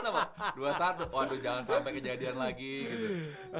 masa itu bagaimana pak dua satu waduh jangan sampai kejadian lagi gitu